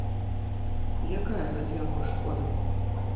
Якая ад яго шкода?